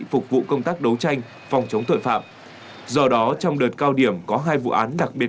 phục vụ công tác đấu tranh phòng chống tội phạm do đó trong đợt cao điểm có hai vụ án đặc biệt